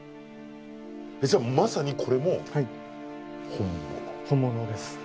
じゃあまさにこれも本物？